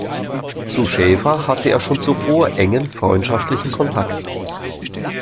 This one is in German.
Zu Schäfer hatte er schon zuvor engen freundschaftlichen Kontakt.